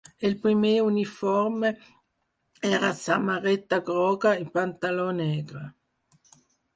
El primer uniforme era samarreta groga i pantaló negre.